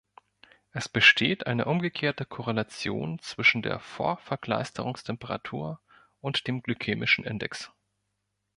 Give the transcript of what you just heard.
Es besteht eine umgekehrte Korrelation zwischen der Verkleisterungstemperatur und dem glykämischen Index.